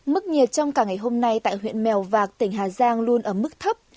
mức nhiệt trong cả ngày hôm nay tại huyện mèo vạc tỉnh hà giang luôn ở mức thấp